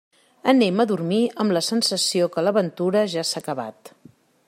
Anem a dormir amb la sensació que l'aventura ja s'ha acabat.